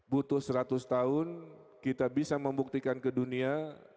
butuh seratus tahun kita bisa membuktikan ke dunia